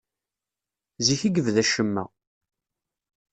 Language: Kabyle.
Zik i yebda ccemma.